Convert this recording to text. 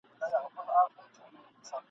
پښتنو به د غربيانو پر لښکر بری موندلی وي.